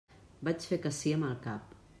Vaig fer que sí amb el cap.